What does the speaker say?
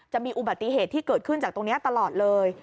จะมีอุบัติเหตุที่เกิดขึ้นจากตรงนี้ตลอดเลย